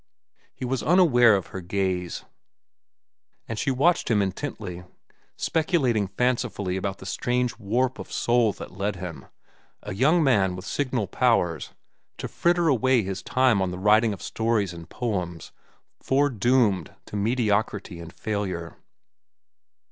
He was unaware of her gaze, and she watched him intently, speculating fancifully about the strange warp of soul that led him, a young man with signal powers, to fritter away his time on the writing of stories and poems foredoomed to mediocrity and failure.